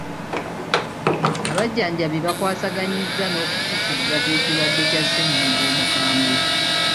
Abajjanjabi bakwasaganyizza n'okufufugaza ekirwadde kya ssennyiga omukambwe.